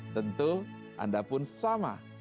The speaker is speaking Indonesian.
tentu anda pun sama